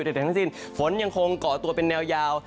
แต่ทั้งสิ้นฝนยังคงเกาะตัวเป็นแนวยาว